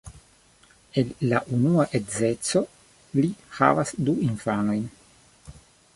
El la unua edzeco li havas du infanojn.